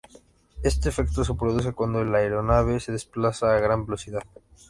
Este efecto se produce cuando la aeronave se desplaza a gran velocidad.